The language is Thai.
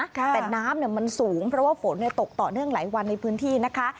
แต่น้ำมันสูงเพราะว่าฝนตกต่อเนื่องหลายวันในพื้นที่นะคะ